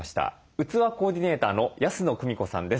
うつわコーディネーターの安野久美子さんです。